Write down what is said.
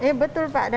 iya betul pak